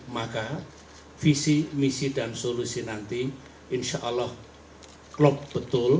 maka visi misi dan solusi nanti insya allah klop betul